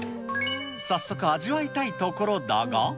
早速味わいたいところだが。